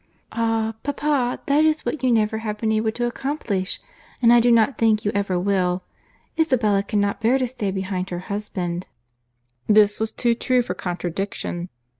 "Ah! papa—that is what you never have been able to accomplish, and I do not think you ever will. Isabella cannot bear to stay behind her husband." This was too true for contradiction.